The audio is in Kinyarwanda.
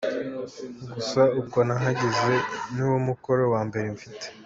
Gusa ubwo nahageze ni wo mukoro wa mbere mfite.